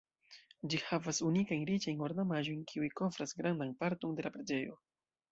Ĝi havas unikajn riĉajn ornamaĵojn kiuj kovras grandan parton de la preĝejo.